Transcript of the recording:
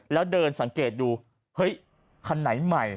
แล้วเดินสังเกตดูเฮ้ยคันไหนใหม่